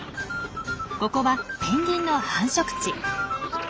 ここはペンギンの繁殖地。